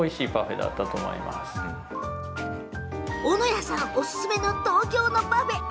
斧屋さんおすすめの東京のパフェ。